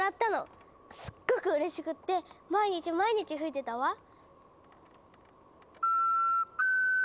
すっごくうれしくって毎日毎日吹いてたわ。